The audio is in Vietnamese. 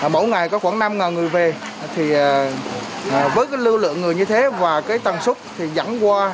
mỗi ngày có khoảng năm người về với lưu lượng người như thế và tầng súc dẫn qua